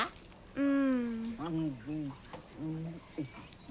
うん。